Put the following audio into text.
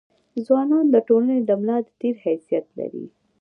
ځوانان د ټولني د ملا د تیر حيثيت لري.